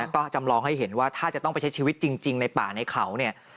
ก็จำลองให้เห็นว่าถ้าจะต้องไปใช้ชีวิตจริงในป่าในเขาเนี่ย